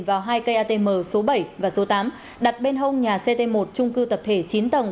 vào hai cây atm số bảy và số tám đặt bên hông nhà ct một trung cư tập thể chín tầng